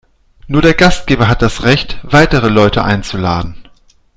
Nur der Gastgeber hat das Recht, weitere Leute einzuladen.